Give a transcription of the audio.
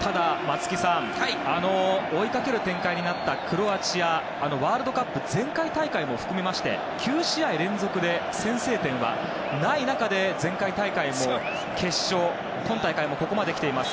ただ松木さん、追いかける展開になったクロアチアワールドカップ前回大会も含めまして９試合連続で先制点はない中で前回大会も決勝、今大会もここまできています。